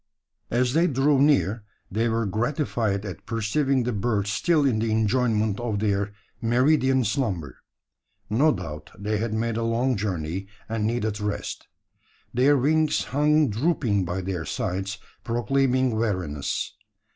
As they drew near, they were gratified at perceiving the birds still in the enjoyment of their meridian slumber. No doubt they had made a long journey, and needed rest. Their wings hung drooping by their sides, proclaiming weariness.